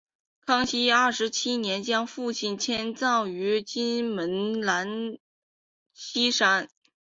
康熙二十七年将父母迁葬回金门兰厝山。